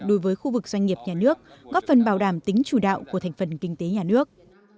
đối với khu vực doanh nghiệp nhà nước góp phần bảo đảm tính chủ đạo của thành phần kinh tế nhà nước